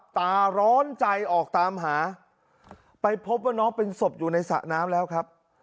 ตาร้อนใจออกตามหาไปพบว่าน้องเป็นศพอยู่ในสระน้ำแล้วครับ